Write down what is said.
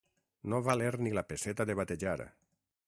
No valer ni la pesseta de batejar.